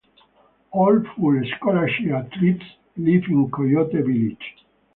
All full scholarship athletes live in Coyote Village.